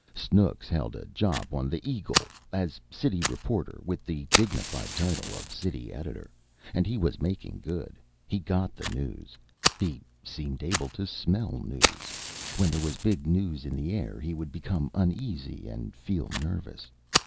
Snooks held a job on the "Eagle" as city reporter, with the dignified title of City Editor, and he was making good. He got the news. He seemed able to smell news. When there was big news in the air he would become uneasy and feel nervous.